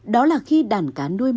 đó là khi đàn cá nuôi màu